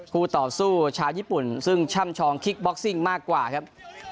ต่อสู้ชาวญี่ปุ่นซึ่งช่ำชองคิกบ็อกซิ่งมากกว่าครับ